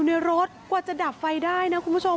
ที่จะดับไฟได้นะคุณผู้ชม